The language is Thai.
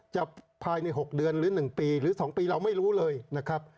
จะภายใน๖เดือนหรือ๑ปีหรือ๒ปีเราไม่รู้เลยนะครับ